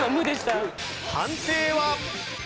判定は？